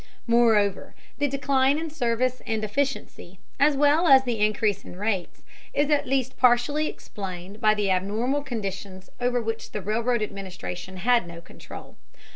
Moreover, the decline in service and efficiency, as well as the increase in rates, is at least partially explained by abnormal conditions over which the Railroad Administration had no control.